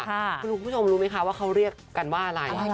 คุณผู้ชมรู้ไหมคะว่าเขาเรียกกันว่าอะไร